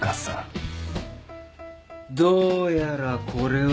どうやらこれは。